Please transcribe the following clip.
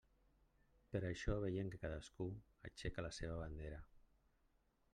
Per això veiem que cadascú aixeca la seva bandera.